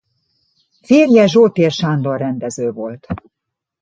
Férje Zsótér Sándor rendező volt.